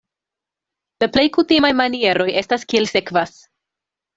La plej kutimaj manieroj estas kiel sekvas.